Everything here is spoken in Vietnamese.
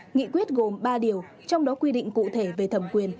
nghị quyết gồm ba điều trong đó quy định cụ thể về thẩm quyền